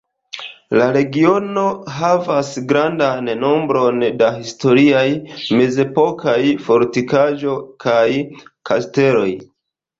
La regiono havas grandan nombron da historiaj mezepokaj fortikaĵo kaj kasteloj.